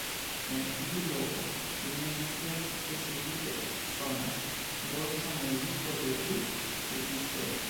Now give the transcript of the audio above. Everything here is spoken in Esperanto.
El iu loko, li ne scias kie, subite eksonas dolĉa muziko de du flutistoj.